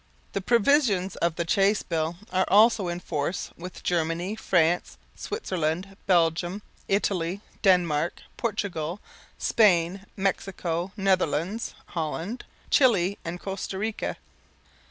The provisions of the Chace Bill are also in force with Germany, France, Switzerland, Belgium, Italy, Denmark, Portugal, Spain, Mexico, Netherlands (Holland), Chile, and Costa Rica.